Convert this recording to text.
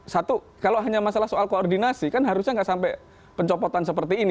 satu kalau hanya masalah soal koordinasi kan harusnya nggak sampai pencopotan seperti ini